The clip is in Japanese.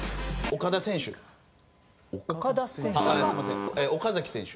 岡崎選手。